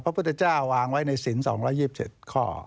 พระพุทธเจ้าวางไว้ในศิลป์๒๒๗ข้อ